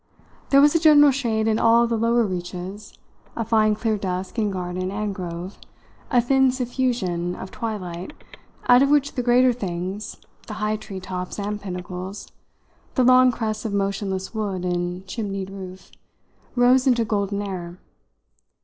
There was a general shade in all the lower reaches a fine clear dusk in garden and grove, a thin suffusion of twilight out of which the greater things, the high tree tops and pinnacles, the long crests of motionless wood and chimnied roof, rose into golden air.